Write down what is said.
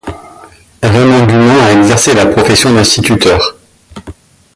Raymond Dumont a exercé la profession d'instituteur.